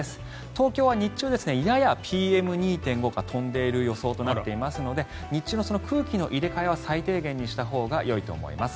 東京は日中ややＰＭ２．５が飛んでいる予想となっていますので日中の空気の入れ替えは最低限にしたほうがよいと思います。